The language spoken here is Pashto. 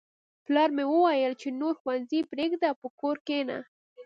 پلار مې وویل چې نور ښوونځی پریږده او په کور کښېنه